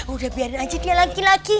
udah biarin aja dia laki laki